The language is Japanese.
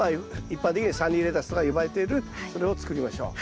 一般的にはサニーレタスとか呼ばれているそれを作りましょう。